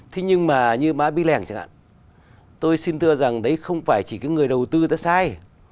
thế nhưng mà như má bi lèng chẳng hạn tôi xin thưa rằng đấy không phải chỉ người đầu tư đã sai